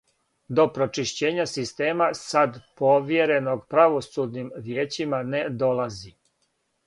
До прочишћења система, сад повјереног правосудним вијећима, не долази.